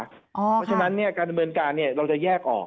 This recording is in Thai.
เพราะฉะนั้นการบริเวณการในเราจะแยกออก